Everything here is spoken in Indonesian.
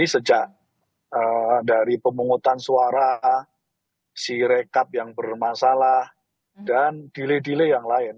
sejak dari pemungutan suara si rekap yang bermasalah dan delay delay yang lain